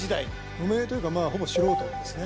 無名というかほぼ素人ですね。